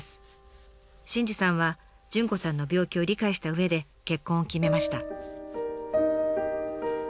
真史さんは潤子さんの病気を理解したうえで結婚を決めました。